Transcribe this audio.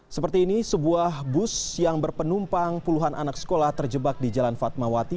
seperti ini sebuah bus yang berpenumpang puluhan anak sekolah terjebak di jalan fatmawati